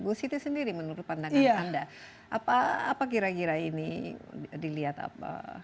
bu siti sendiri menurut pandangan anda apa kira kira ini dilihat apa